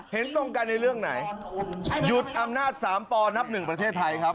เห็นตรงกันในเรื่องไหนหยุดอำนาจ๓ปนับหนึ่งประเทศไทยครับ